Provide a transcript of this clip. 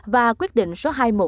và quyết định số hai trăm một mươi tám